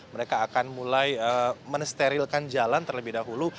mereka akan mulai mensterilkan jalan terlebih dahulu